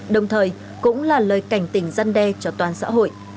đồng thời cũng là lời cảnh tình răn đe cho toàn xã hội